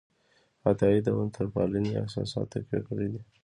عطايي د وطنپالنې احساسات تقویه کړي دي.